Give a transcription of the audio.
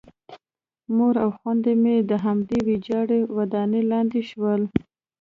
مور او خویندې مې د همدې ویجاړې ودانۍ لاندې شول